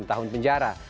enam tahun penjara